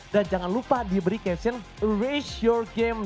dan jangan lupa diberi caption raise your game